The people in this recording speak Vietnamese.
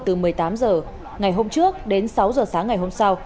từ một mươi tám h ngày hôm trước đến sáu h sáng ngày hôm sau